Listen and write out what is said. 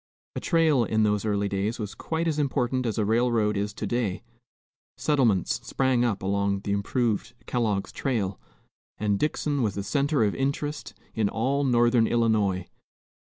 A trail in those early days was quite as important as a railroad is to day; settlements sprang up along the improved "Kellogg's trail," and Dixon was the centre of interest in all northern Illinois.